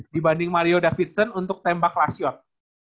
dibanding mario davidson untuk tembak rasiot